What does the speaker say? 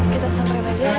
kita sampai aja